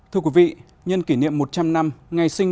thưa quý vị nhân kỷ niệm một trăm linh năm